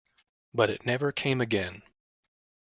But it never came again.